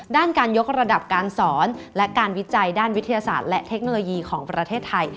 ด้านการยกระดับการสอนและการวิจัยด้านวิทยาศาสตร์และเทคโนโลยีของประเทศไทย